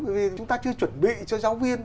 vì chúng ta chưa chuẩn bị cho giáo viên